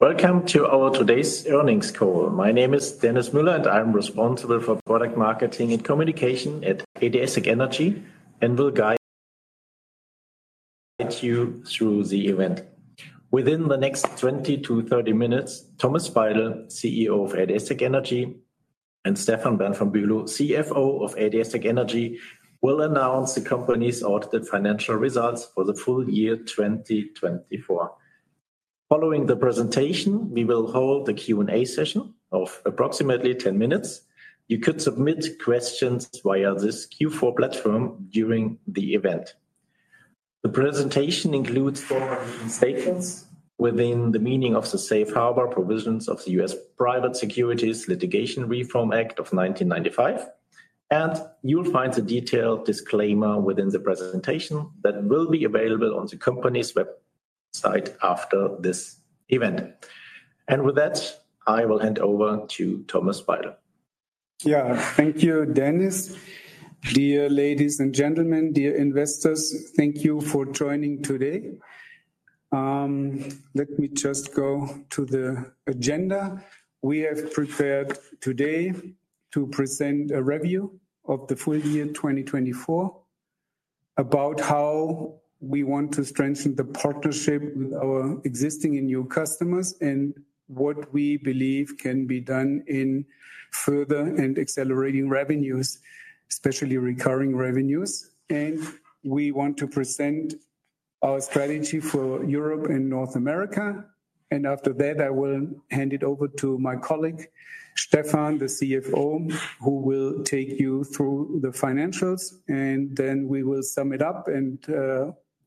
Welcome to our Today's Earnings Call. My name is Dennis Müller, and I'm responsible for product marketing and communication at ADS-TEC Energy and will guide you through the event. Within the next 20-30 minutes, Thomas Speidel, CEO of ADS-TEC Energy, and Stefan Berndt-von Bülow, CFO of ADS-TEC Energy, will announce the company's audited financial results for the full year 2024. Following the presentation, we will hold a Q&A session of approximately 10 minutes. You could submit questions via this Q4 platform during the event. The presentation includes four statements within the meaning of the safe harbor provisions of the U.S. Private Securities Litigation Reform Act of 1995. You will find a detailed disclaimer within the presentation that will be available on the company's website after this event. With that, I will hand over to Thomas Speidel. Yeah, thank you, Dennis. Dear ladies and gentlemen, dear investors, thank you for joining today. Let me just go to the agenda. We have prepared today to present a review of the full year 2024 about how we want to strengthen the partnership with our existing and new customers and what we believe can be done in further and accelerating revenues, especially recurring revenues. We want to present our strategy for Europe and North America. After that, I will hand it over to my colleague, Stefan, the CFO, who will take you through the financials. We will sum it up and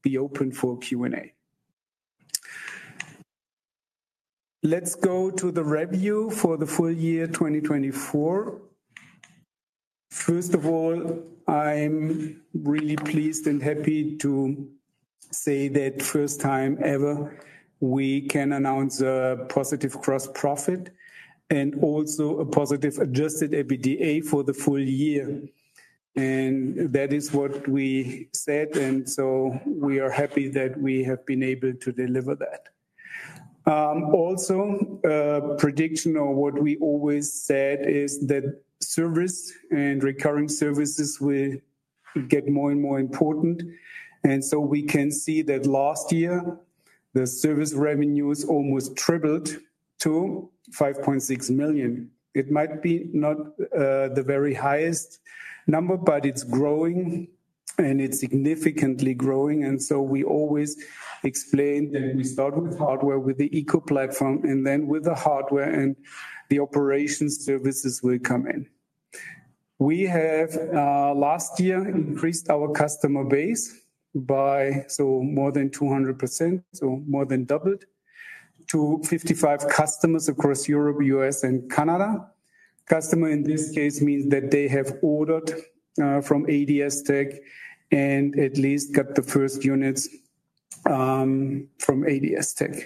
be open for Q&A. Let's go to the review for the full year 2024. First of all, I'm really pleased and happy to say that first time ever we can announce a positive gross profit and also a positive adjusted EBITDA for the full year. That is what we said. We are happy that we have been able to deliver that. Also, a prediction of what we always said is that service and recurring services will get more and more important. We can see that last year the service revenues almost tripled to $5.6 million. It might not be the very highest number, but it is growing and it is significantly growing. We always explain that we start with hardware, with the Eco Platform, and then with the hardware and the operations services will come in. Last year we increased our customer base by more than 200%, so more than doubled to 55 customers across Europe, the U.S., and Canada. Customer in this case means that they have ordered from ADS-TEC Energy and at least got the first units from ADS-TEC Energy.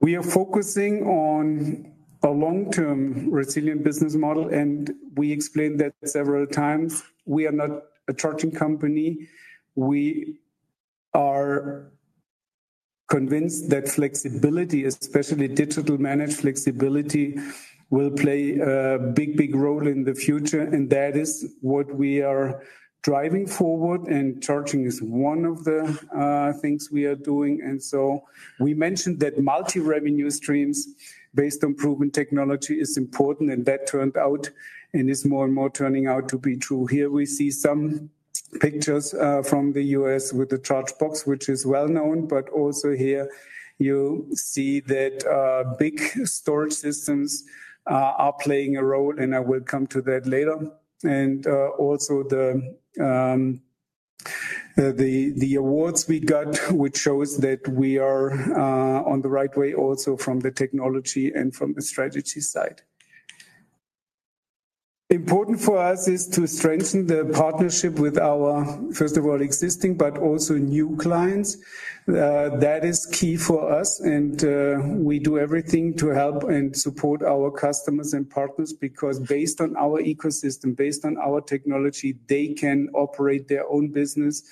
We are focusing on a long-term resilient business model, and we explained that several times. We are not a charging company. We are convinced that flexibility, especially digital managed flexibility, will play a big, big role in the future. That is what we are driving forward. Charging is one of the things we are doing. We mentioned that multi-revenue streams based on proven technology is important. That turned out and is more and more turning out to be true. Here we see some pictures from the U.S. with the ChargeBox, which is well known. Also here you see that big storage systems are playing a role. I will come to that later. Also the awards we got, which shows that we are on the right way also from the technology and from the strategy side. Important for us is to strengthen the partnership with our, first of all, existing, but also new clients. That is key for us. We do everything to help and support our customers and partners because based on our ecosystem, based on our technology, they can operate their own business.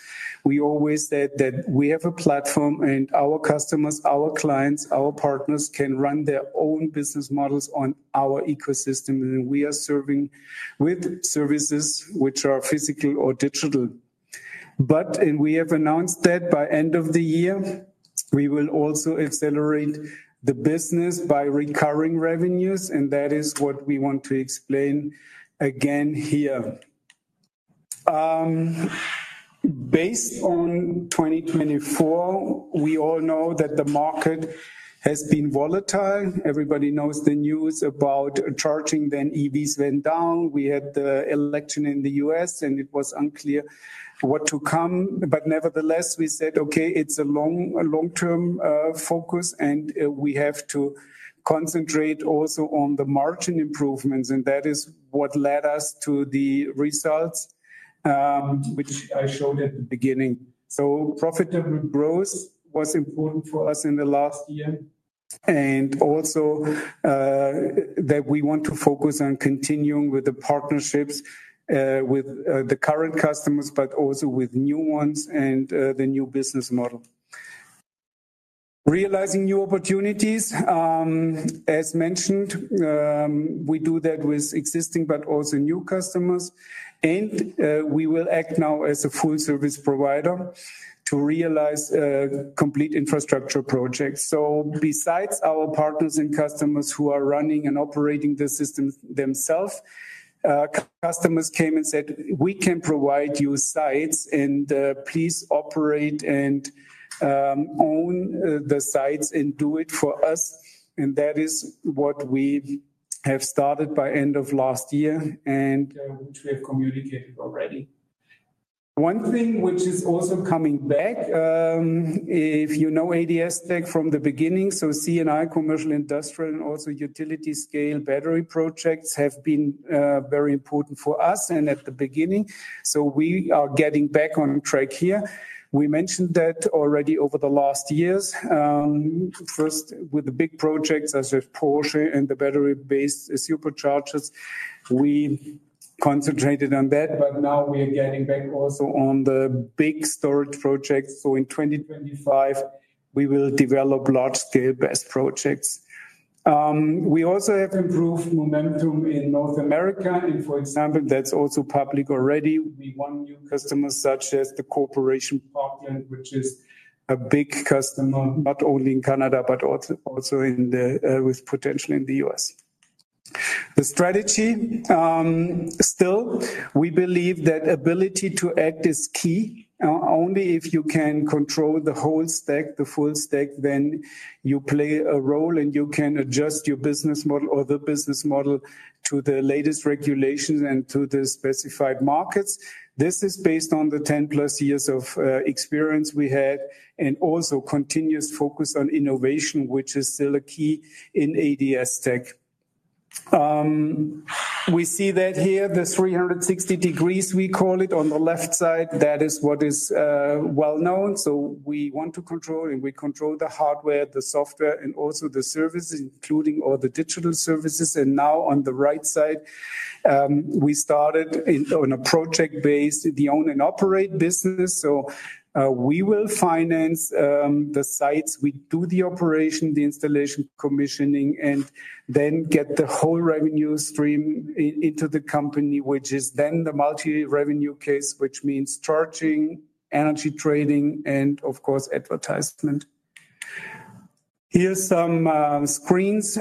We always said that we have a platform and our customers, our clients, our partners can run their own business models on our ecosystem. We are serving with services which are physical or digital. We have announced that by the end of the year, we will also accelerate the business by recurring revenues. That is what we want to explain again here. Based on 2024, we all know that the market has been volatile. Everybody knows the news about charging, then EVs went down. We had the election in the U.S., and it was unclear what to come. Nevertheless, we said, okay, it's a long-term focus and we have to concentrate also on the margin improvements. That is what led us to the results, which I showed at the beginning. Profitable growth was important for us in the last year. Also, we want to focus on continuing with the partnerships with the current customers, but also with new ones and the new business model. Realizing new opportunities, as mentioned, we do that with existing, but also new customers. We will act now as a full service provider to realize complete infrastructure projects. Besides our partners and customers who are running and operating the systems themselves, customers came and said, we can provide you sites and please operate and own the sites and do it for us. That is what we have started by the end of last year and which we have communicated already. One thing which is also coming back, if you know ADS-TEC Energy from the beginning, CNI, commercial, industrial, and also utility scale battery projects have been very important for us at the beginning. We are getting back on track here. We mentioned that already over the last years, first with the big projects such as Porsche and the battery-based superchargers. We concentrated on that, but now we are getting back also on the big storage projects. In 2025, we will develop large scale BESS projects. We also have improved momentum in North America. For example, that is also public already. We won new customers such as Corporation, which is a big customer not only in Canada, but also with potential in the U.S.. The strategy still, we believe that ability to act is key. Only if you can control the whole stack, the full stack, then you play a role and you can adjust your business model or the business model to the latest regulations and to the specified markets. This is based on the 10 plus years of experience we had and also continuous focus on innovation, which is still a key in ADS-TEC. We see that here, the 360 degrees, we call it on the left side. That is what is well known. We want to control and we control the hardware, the software, and also the services, including all the digital services. Now on the right side, we started on a project-based the own and operate business. We will finance the sites. We do the operation, the installation, commissioning, and then get the whole revenue stream into the company, which is then the multi-revenue case, which means charging, energy trading, and of course advertisement. Here are some screens,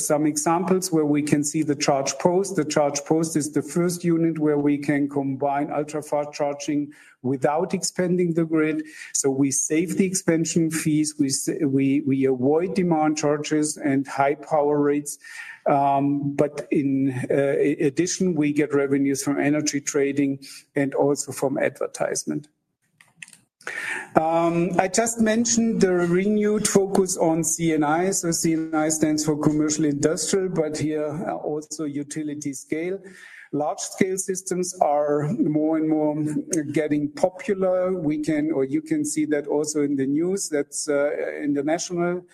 some examples where we can see the ChargePost. The ChargePost is the first unit where we can combine ultra-fast charging without expanding the grid. We save the expansion fees. We avoid demand charges and high power rates. In addition, we get revenues from energy trading and also from advertisement. I just mentioned the renewed focus on CNI. CNI stands for commercial industrial, but here also utility scale. Large-scale systems are more and more getting popular. You can see that also in the news. That is an international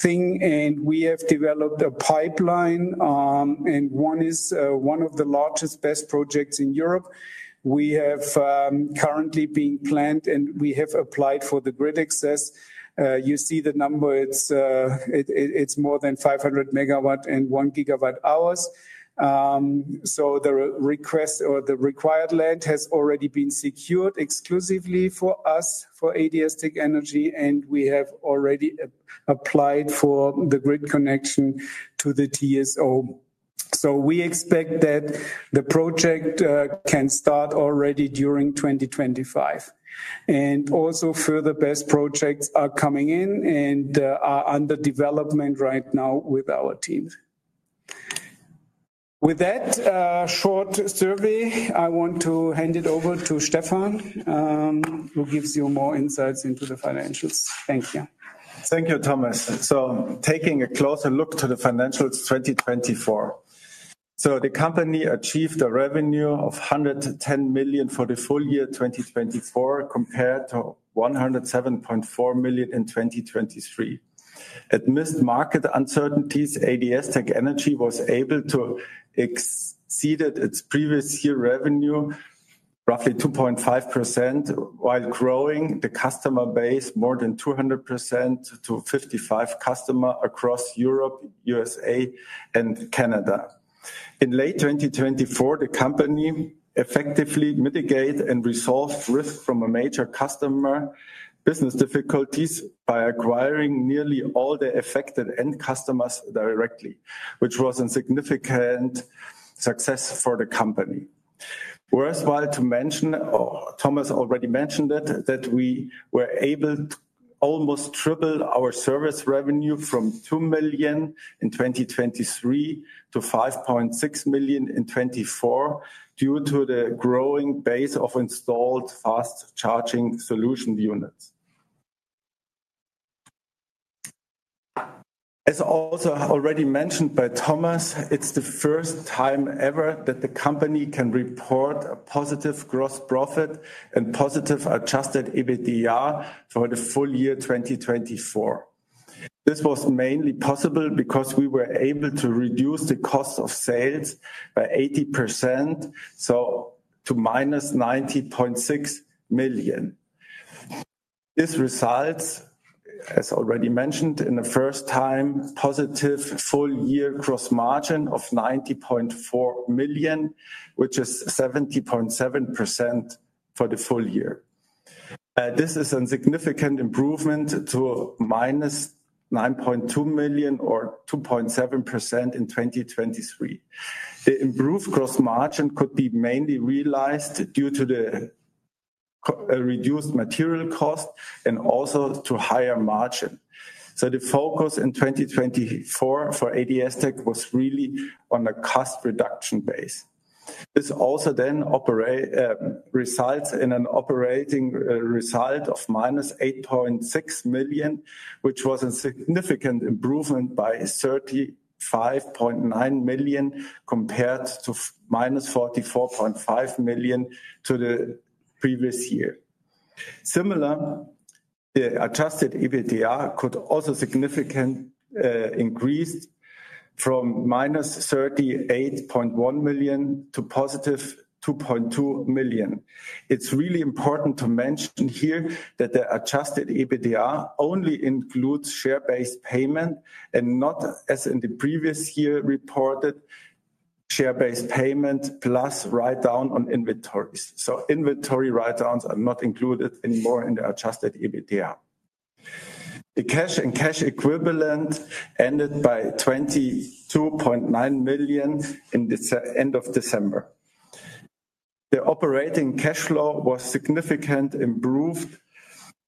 thing. We have developed a pipeline. One is one of the largest BESS projects in Europe. We have currently been planned and we have applied for the grid access. You see the number, it is more than 500 megawatt and 1 gigawatt hours. The request or the required land has already been secured exclusively for us for ADS-TEC Energy. We have already applied for the grid connection to the TSO. We expect that the project can start already during 2025. Also, further best projects are coming in and are under development right now with our team. With that short survey, I want to hand it over to Stefan, who gives you more insights into the financials. Thank you. Thank you, Thomas. Taking a closer look to the financials 2024. The company achieved a revenue of $110 million for the full year 2024 compared to $107.4 million in 2023. Amidst market uncertainties, ADS-TEC Energy was able to exceed its previous year revenue, roughly 2.5%, while growing the customer base more than 200% to 55 customers across Europe, USA, and Canada. In late 2024, the company effectively mitigated and resolved risk from a major customer business difficulties by acquiring nearly all the affected end customers directly, which was a significant success for the company. Worthwhile to mention, Thomas already mentioned it, that we were able to almost triple our service revenue from $2 million in 2023-$5.6 million in 2024 due to the growing base of installed fast charging solution units. As also already mentioned by Thomas, it's the first time ever that the company can report a positive gross profit and positive adjusted EBITDA for the full year 2024. This was mainly possible because we were able to reduce the cost of sales by 80%, to minus $90.6 million. This results, as already mentioned, in the first time, positive full year gross margin of $90.4 million, which is 70.7% for the full year. This is a significant improvement to minus $9.2 million or 2.7% in 2023. The improved gross margin could be mainly realized due to the reduced material cost and also to higher margin. The focus in 2024 for ADS-TEC Energy was really on a cost reduction base. This also then results in an operating result of minus $8.6 million, which was a significant improvement by $35.9 million compared to minus $44.5 million to the previous year. Similar, the adjusted EBITDA could also significantly increase from minus $38.1 million to positive $2.2 million. It's really important to mention here that the adjusted EBITDA only includes share-based payment and not, as in the previous year reported, share-based payment plus write-down on inventories. So inventory write-downs are not included anymore in the adjusted EBITDA. The cash and cash equivalent ended by $22.9 million in the end of December. The operating cash flow was significantly improved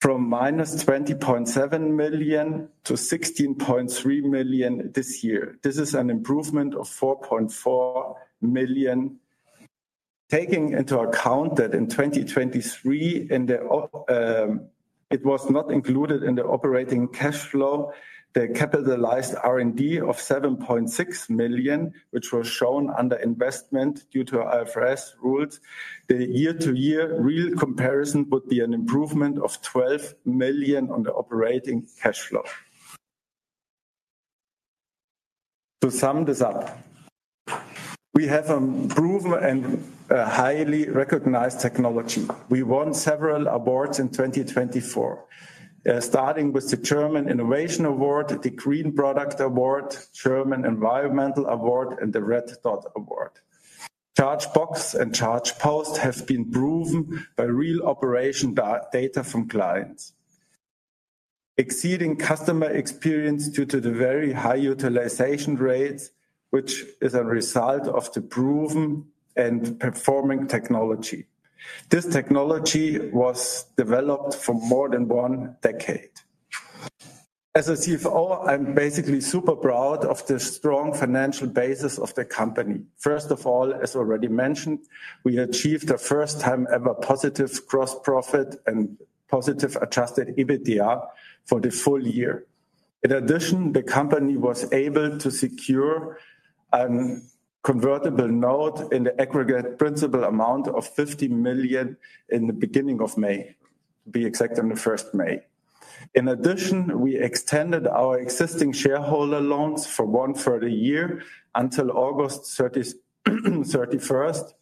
from minus $20.7 million-$16.3 million this year. This is an improvement of $4.4 million. Taking into account that in 2023, it was not included in the operating cash flow, the capitalized R&D of $7.6 million, which was shown under investment due to IFRS rules, the year-to-year real comparison would be an improvement of $12 million on the operating cash flow. To sum this up, we have a proven and highly recognized technology. We won several awards in 2024, starting with the German Innovation Award, the Green Product Award, German Environmental Award, and the Red Dot Award. ChargeBox and ChargePost have been proven by real operation data from clients, exceeding customer experience due to the very high utilization rates, which is a result of the proven and performing technology. This technology was developed for more than one decade. As a CFO, I'm basically super proud of the strong financial basis of the company. First of all, as already mentioned, we achieved a first-time-ever positive gross profit and positive adjusted EBITDA for the full year. In addition, the company was able to secure a convertible note in the aggregate principal amount of $50 million in the beginning of May, to be exact on the 1st of May. In addition, we extended our existing shareholder loans for one further year until August 31st.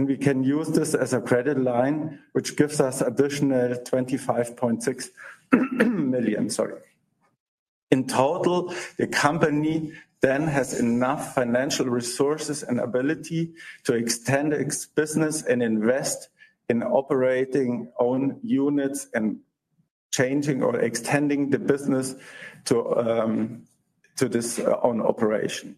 We can use this as a credit line, which gives us additional $25.6 million. In total, the company then has enough financial resources and ability to extend its business and invest in operating own units and changing or extending the business to this own operation.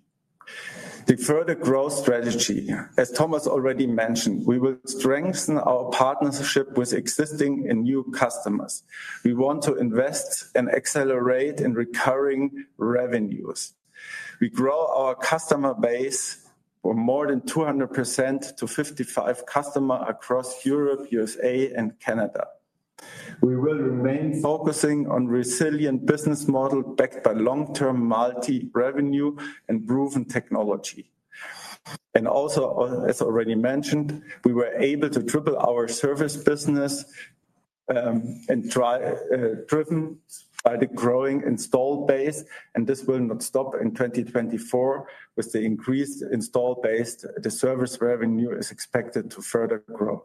The further growth strategy, as Thomas already mentioned, we will strengthen our partnership with existing and new customers. We want to invest and accelerate in recurring revenues. We grow our customer base for more than 200% to 55 customers across Europe, U.S., and Canada. We will remain focusing on a resilient business model backed by long-term multi-revenue and proven technology. Also, as already mentioned, we were able to triple our service business and driven by the growing install base. This will not stop in 2024. With the increased install base, the service revenue is expected to further grow.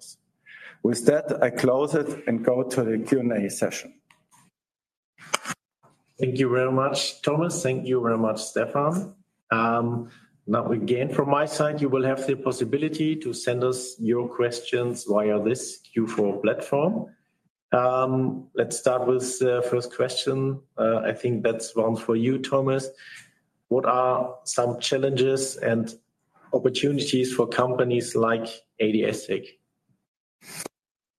With that, I close it and go to the Q&A session. Thank you very much, Thomas. Thank you very much, Stefan. Now again, from my side, you will have the possibility to send us your questions via this Q4 platform. Let's start with the first question. I think that's one for you, Thomas. What are some challenges and opportunities for companies like ADS-TEC?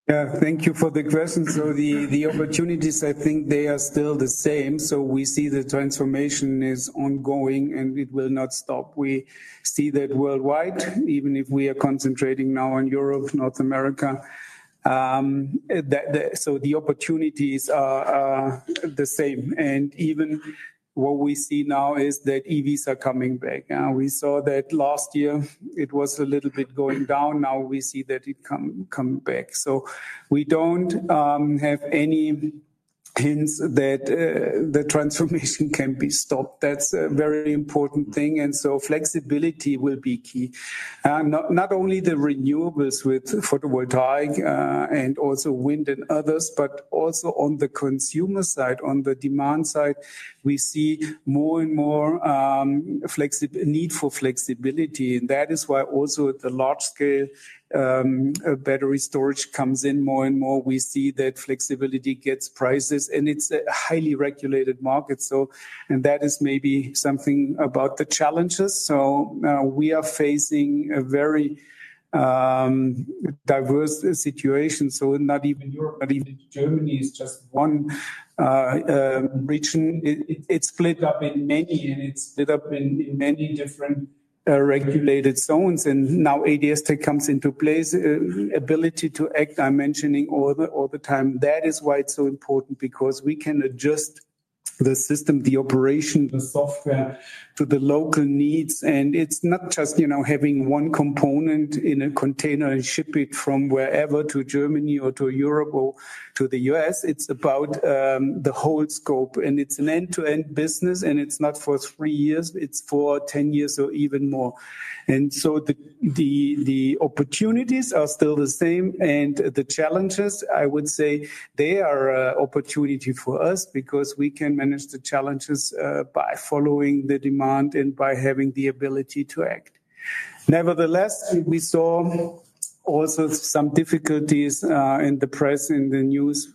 Yeah, thank you for the question. The opportunities, I think they are still the same. We see the transformation is ongoing and it will not stop. We see that worldwide, even if we are concentrating now on Europe, North America. The opportunities are the same. Even what we see now is that EVs are coming back. We saw that last year it was a little bit going down. Now we see that it comes back. We do not have any hints that the transformation can be stopped. That is a very important thing. Flexibility will be key. Not only the renewables with photovoltaic and also wind and others, but also on the consumer side, on the demand side, we see more and more need for flexibility. That is why also the large scale battery storage comes in more and more. We see that flexibility gets prices and it's a highly regulated market. That is maybe something about the challenges. We are facing a very diverse situation. Not even Europe, not even Germany is just one region. It's split up in many and it's split up in many different regulated zones. Now ADS-TEC comes into place, ability to act. I'm mentioning all the time. That is why it's so important because we can adjust the system, the operation, the software to the local needs. It's not just having one component in a container and ship it from wherever to Germany or to Europe or to the U.S. It's about the whole scope. It's an end-to-end business and it's not for three years. It's for 10 years or even more. The opportunities are still the same. The challenges, I would say they are an opportunity for us because we can manage the challenges by following the demand and by having the ability to act. Nevertheless, we saw also some difficulties in the press, in the news.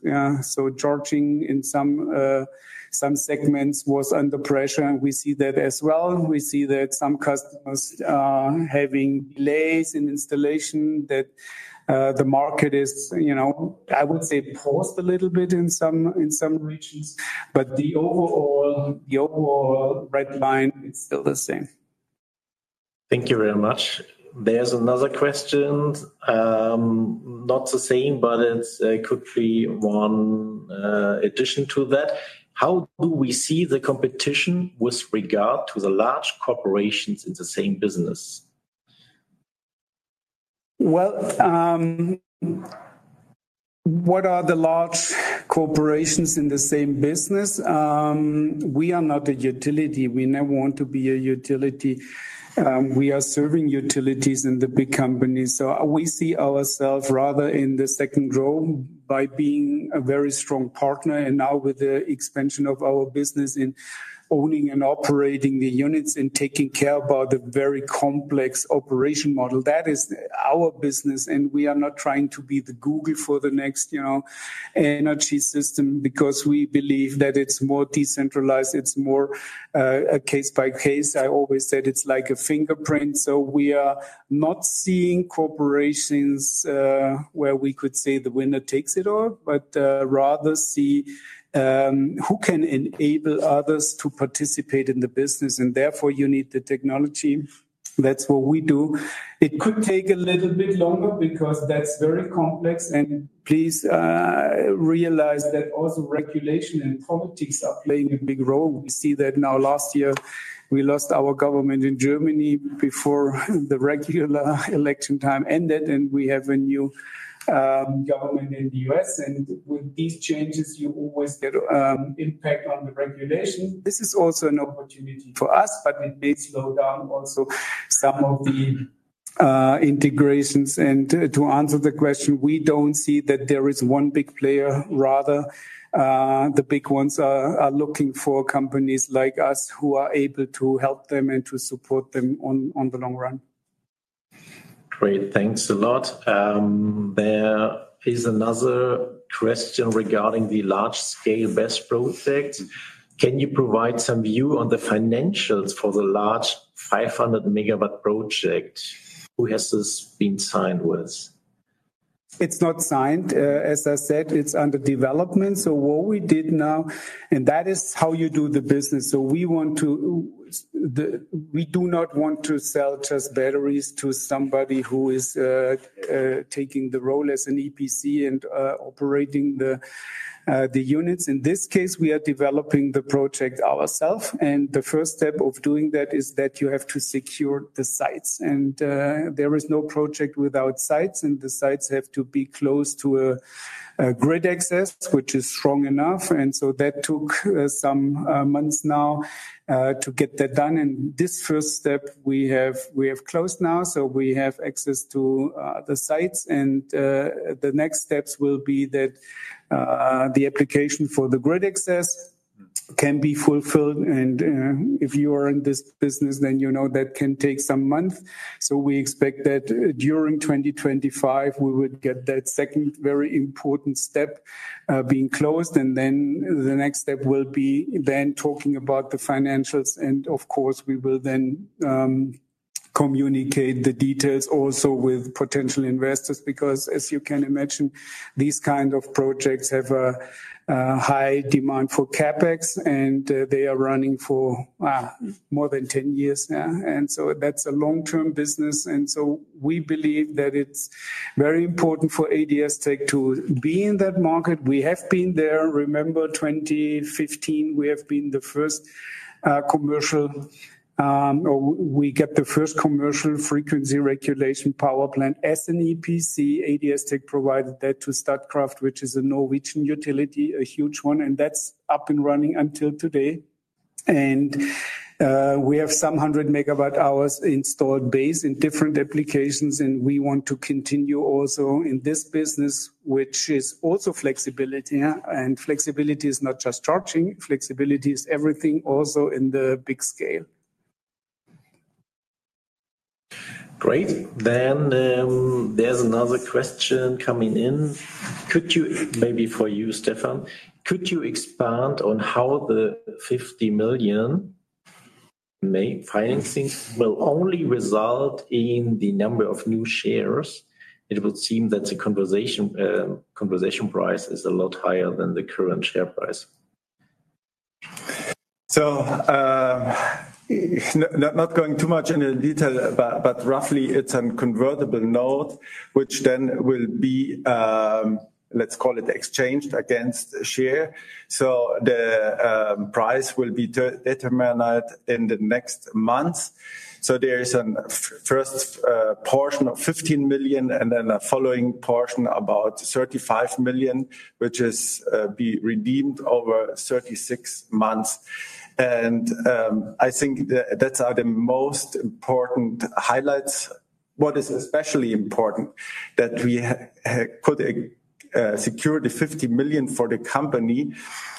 Charging in some segments was under pressure. We see that as well. We see that some customers are having delays in installation, that the market is, I would say, paused a little bit in some regions. The overall red line, it's still the same. Thank you very much. There's another question. Not the same, but it could be one addition to that. How do we see the competition with regard to the large corporations in the same business? What are the large corporations in the same business? We are not a utility. We never want to be a utility. We are serving utilities and the big companies. We see ourselves rather in the second row by being a very strong partner. Now with the expansion of our business in owning and operating the units and taking care about the very complex operation model, that is our business. We are not trying to be the Google for the next energy system because we believe that it's more decentralized. It's more a case by case. I always said it's like a fingerprint. We are not seeing corporations where we could say the winner takes it all, but rather see who can enable others to participate in the business. Therefore you need the technology. That's what we do. It could take a little bit longer because that's very complex. Please realize that also regulation and politics are playing a big role. We see that now last year we lost our government in Germany before the regular election time ended. We have a new government in the U.S. With these changes, you always get an impact on the regulation. This is also an opportunity for us, but it may slow down also some of the integrations. To answer the question, we don't see that there is one big player. Rather, the big ones are looking for companies like us who are able to help them and to support them on the long run. Great. Thanks a lot. There is another question regarding the large-scale BESS project. Can you provide some view on the financials for the large 500 megawatt project? Who has this been signed with? It's not signed. As I said, it's under development. What we did now, and that is how you do the business. We do not want to sell just batteries to somebody who is taking the role as an EPC and operating the units. In this case, we are developing the project ourselves. The first step of doing that is that you have to secure the sites. There is no project without sites. The sites have to be close to a grid access, which is strong enough. That took some months now to get that done. This first step we have closed now. We have access to the sites. The next steps will be that the application for the grid access can be fulfilled. If you are in this business, then you know that can take some months. We expect that during 2025, we would get that second very important step being closed. The next step will be then talking about the financials. Of course, we will then communicate the details also with potential investors because, as you can imagine, these kinds of projects have a high demand for CapEx. They are running for more than 10 years. That is a long-term business. We believe that it is very important for ADS-TEC Energy to be in that market. We have been there. Remember 2015, we have been the first commercial or we got the first commercial frequency regulation power plant as an EPC. ADS-TEC Energy provided that to Statkraft, which is a Norwegian utility, a huge one. That is up and running until today. We have some 100 megawatt hours installed base in different applications. We want to continue also in this business, which is also flexibility. Flexibility is not just charging. Flexibility is everything also in the big scale. Great. There is another question coming in. Maybe for you, Stefan, could you expand on how the $50 million financing will only result in the number of new shares? It would seem that the conversion price is a lot higher than the current share price. Not going too much into detail, but roughly it's a convertible note, which then will be, let's call it, exchanged against share. The price will be determined in the next months. There is a first portion of $15 million and then a following portion about $35 million, which will be redeemed over 36 months. I think that's the most important highlights. What is especially important is that we could secure the $50 million for the company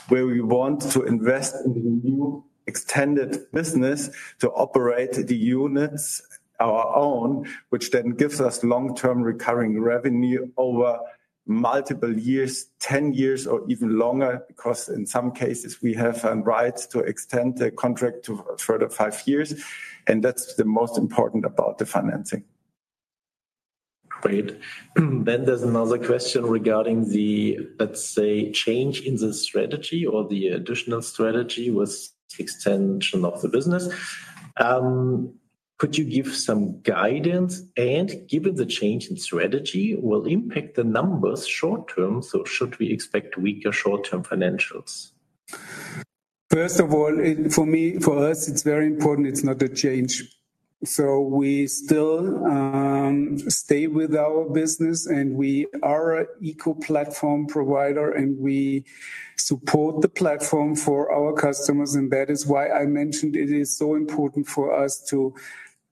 where we want to invest in the new extended business to operate the units our own, which then gives us long-term recurring revenue over multiple years, 10 years or even longer, because in some cases we have rights to extend the contract to further five years. That's the most important about the financing. Great. There is another question regarding the, let's say, change in the strategy or the additional strategy with the extension of the business. Could you give some guidance? Given the change in strategy, will it impact the numbers short term? Should we expect weaker short term financials? First of all, for us, it's very important. It's not a change. We still stay with our business and we are an Eco Platform provider and we support the platform for our customers. That is why I mentioned it is so important for us to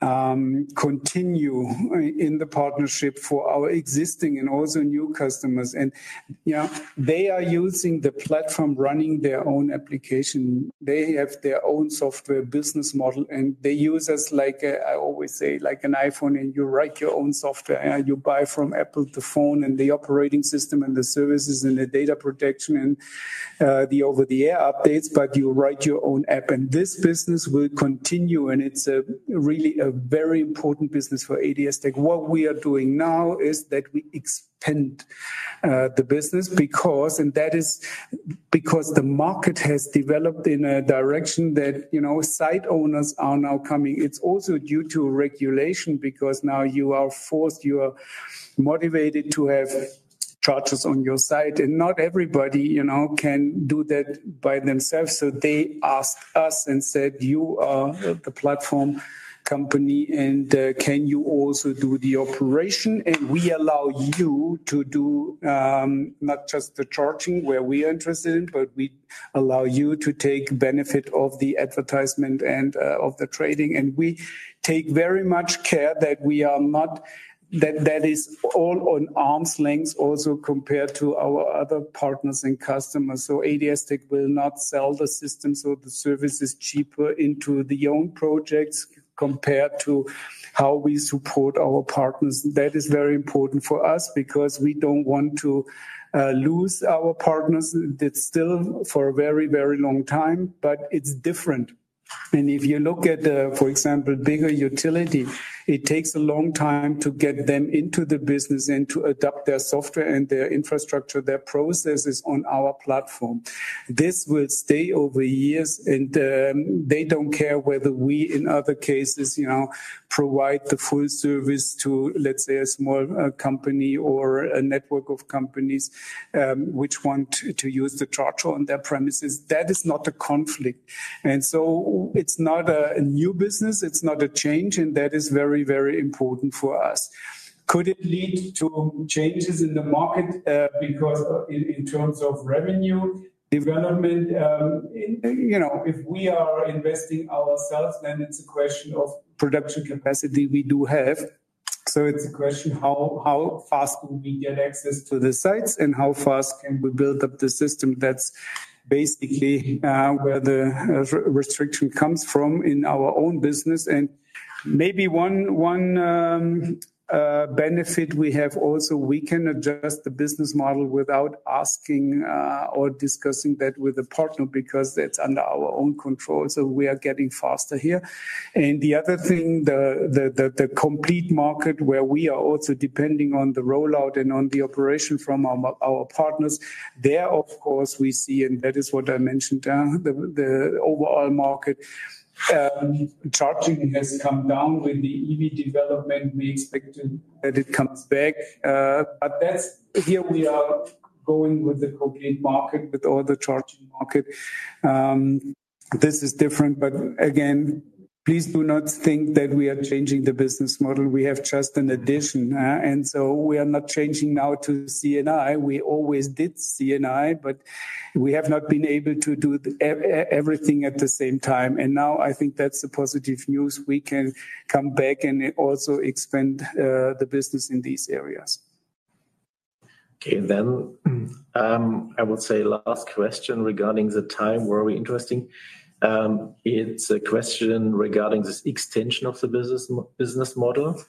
continue in the partnership for our existing and also new customers. They are using the platform running their own application. They have their own software business model and they use us, like I always say, like an iPhone and you write your own software. You buy from Apple the phone and the operating system and the services and the data protection and the over-the-air updates, but you write your own app. This business will continue and it's really a very important business for ADS-TEC. What we are doing now is that we expand the business because the market has developed in a direction that site owners are now coming. It is also due to regulation because now you are forced, you are motivated to have chargers on your site. Not everybody can do that by themselves. They asked us and said, you are the platform company and can you also do the operation? We allow you to do not just the charging where we are interested in, but we allow you to take benefit of the advertisement and of the trading. We take very much care that we are not, that is all on arm's length also compared to our other partners and customers. ADS-TEC will not sell the system. The service is cheaper into the own projects compared to how we support our partners. That is very important for us because we don't want to lose our partners. It's still for a very, very long time, but it's different. If you look at, for example, bigger utility, it takes a long time to get them into the business and to adopt their software and their infrastructure, their processes on our platform. This will stay over years and they don't care whether we in other cases provide the full service to, let's say, a small company or a network of companies which want to use the charger on their premises. That is not a conflict. It's not a new business. It's not a change. That is very, very important for us. Could it lead to changes in the market because in terms of revenue development, if we are investing ourselves, then it's a question of production capacity we do have. It is a question how fast will we get access to the sites and how fast can we build up the system? That is basically where the restriction comes from in our own business. Maybe one benefit we have also, we can adjust the business model without asking or discussing that with a partner because that is under our own control. We are getting faster here. The other thing, the complete market where we are also depending on the rollout and on the operation from our partners, there of course we see, and that is what I mentioned, the overall market. Charging has come down with the EV development. We expect that it comes back. Here we are going with the complete market with all the charging market. This is different. Again, please do not think that we are changing the business model. We have just an addition. We are not changing now to CNI. We always did CNI, but we have not been able to do everything at the same time. I think that's the positive news. We can come back and also expand the business in these areas. Okay. I would say last question regarding the time were we interesting. It's a question regarding this extension of the business model.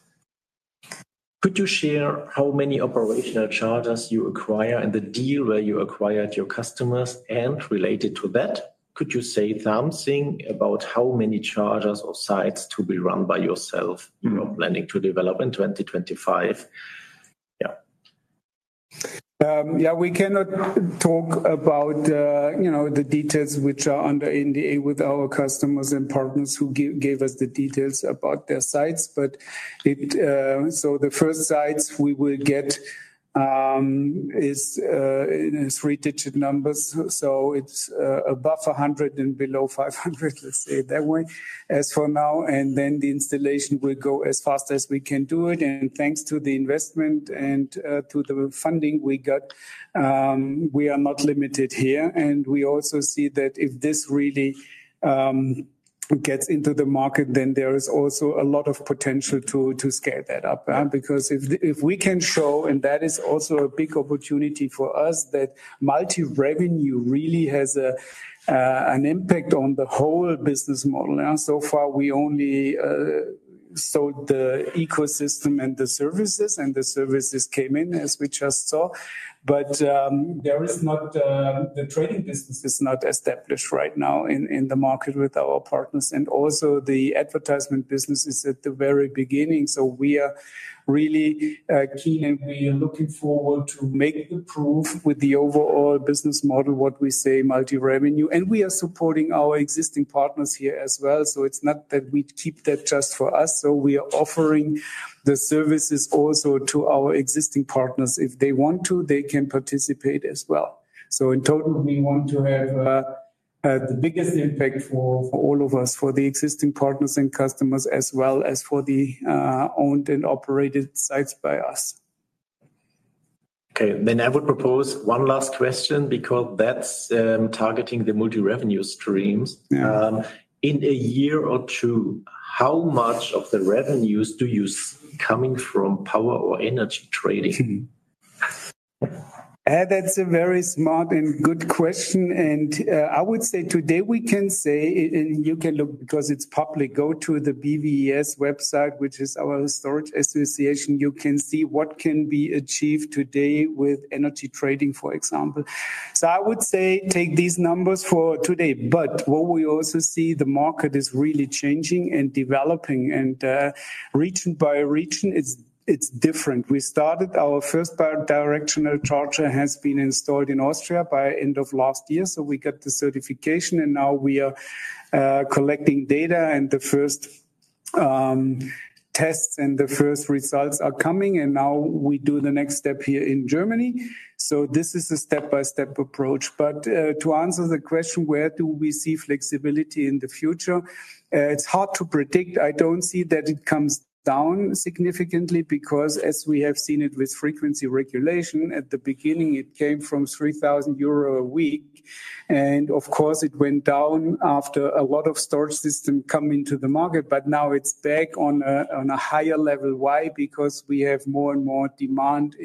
Could you share how many operational chargers you acquire and the deal where you acquired your customers? And related to that, could you say something about how many chargers or sites to be run by yourself you are planning to develop in 2025? Yeah. Yeah, we cannot talk about the details which are under NDA with our customers and partners who gave us the details about their sites. The first sites we will get is three-digit numbers. It is above 100 and below 500, let's say it that way as for now. The installation will go as fast as we can do it. Thanks to the investment and to the funding we got, we are not limited here. We also see that if this really gets into the market, there is also a lot of potential to scale that up. If we can show, and that is also a big opportunity for us, that multi-revenue really has an impact on the whole business model. So far we only sold the ecosystem and the services, and the services came in as we just saw. The trading business is not established right now in the market with our partners. Also, the advertisement business is at the very beginning. We are really keen and we are looking forward to make the proof with the overall business model, what we say multi-revenue. We are supporting our existing partners here as well. It is not that we keep that just for us. We are offering the services also to our existing partners. If they want to, they can participate as well. In total, we want to have the biggest impact for all of us, for the existing partners and customers as well as for the owned and operated sites by us. Okay. Then I would propose one last question because that's targeting the multi-revenue streams. In a year or two, how much of the revenues do you see coming from power or energy trading? That's a very smart and good question. I would say today we can say, and you can look because it's public, go to the BVES website, which is our storage association. You can see what can be achieved today with energy trading, for example. I would say take these numbers for today. What we also see, the market is really changing and developing and region by region, it's different. We started, our first directional charger has been installed in Austria by end of last year. We got the certification and now we are collecting data and the first tests and the first results are coming. Now we do the next step here in Germany. This is a step-by-step approach. To answer the question, where do we see flexibility in the future? It's hard to predict. I don't see that it comes down significantly because as we have seen it with frequency regulation, at the beginning it came from 3,000 euro a week. Of course it went down after a lot of storage systems came into the market. Now it's back on a higher level. Why? Because we have more and more demand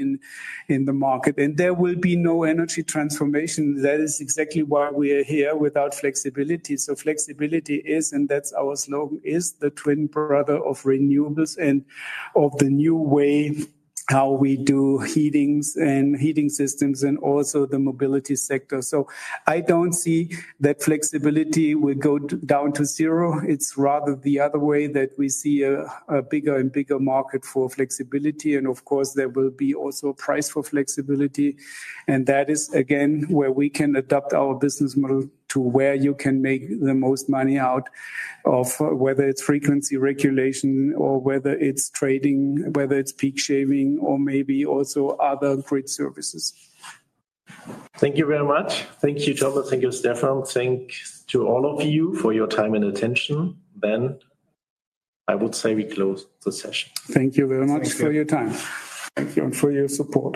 in the market. There will be no energy transformation. That is exactly why we are here without flexibility. Flexibility is, and that's our slogan, the twin brother of renewables and of the new way how we do heatings and heating systems and also the mobility sector. I don't see that flexibility will go down to zero. It's rather the other way that we see a bigger and bigger market for flexibility. Of course there will be also a price for flexibility. That is again where we can adopt our business model to where you can make the most money out of whether it's frequency regulation or whether it's trading, whether it's peak shaving or maybe also other grid services. Thank you very much. Thank you, Thomas. Thank you, Stefan. Thank you to all of you for your time and attention. I would say we close the session. Thank you very much for your time. Thank you. you for your support.